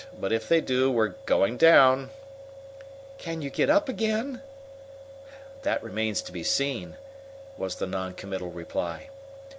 But if they do, we're going down!" "Can you get up again?" "That remains to be seen," was the non committal reply.